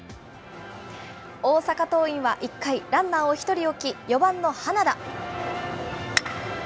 大阪桐蔭は１回、ランナーを１人置き、４番の花田。